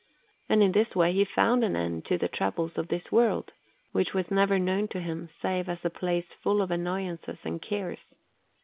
And in this way he found an end to the troubles of this world, which was never known to him save as a place full of annoyances and cares.